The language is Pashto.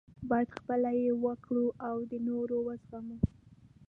باید خپله یې وکړو او د نورو وزغمو.